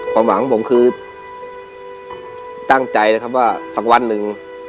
ความหวังของผมคือตั้งใจนะครับว่าสักวันหนึ่ง